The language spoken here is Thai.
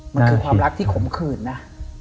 มันคือความรักที่ขมขื่นนะ